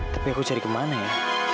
tapi aku cari ke mana ya